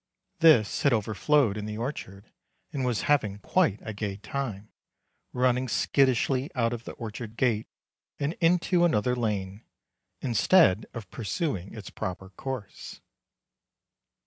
This had overflowed in the orchard, and was having quite a gay time, running skittishly out of the orchard gate and into another lane, instead of pursuing its proper course.